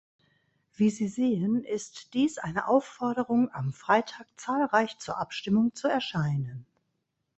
Wie Sie sehen, ist dies eine Aufforderung, am Freitag zahlreich zur Abstimmung zu erscheinen.